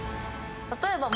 例えば。